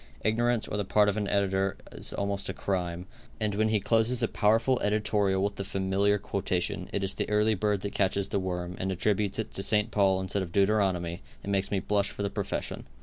Ignorance or the part of an editor is almost a crime, and when he closes a powerful editorial with the familiar quotation, "It is the early bird that catches the worm," and attributes it to St. Paul instead of Deuteronomy, it makes me blush for the profession.